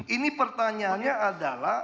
ini pertanyaannya adalah